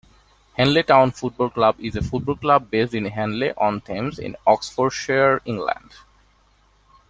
Henley Town Football Club is a football club based in Henley-on-Thames in Oxfordshire, England.